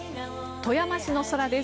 富山市の空です。